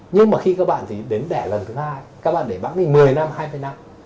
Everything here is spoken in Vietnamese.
nhưng mà khi các bạn thì đến đẻ lần thứ hai các bạn để bác đi một mươi năm hai mươi năm